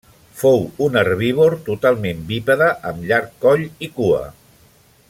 Fou un herbívor totalment bípede amb llarg coll i cua.